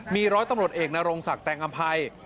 มี๑๐๐ตำรวจเอกในโรงศักดิ์แตกกำภัย